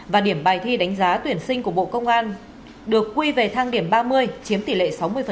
và điểm bài thi đánh giá tuyển sinh của bộ công an được quy về thang điểm ba mươi chiếm tỷ lệ sáu mươi